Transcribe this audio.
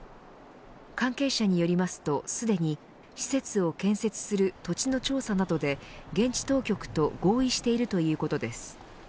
関係者によりますと、すでに施設を建設する土地の調査などで現地当局と合意しているということです。